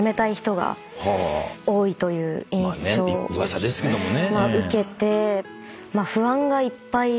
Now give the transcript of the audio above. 噂ですけどもね。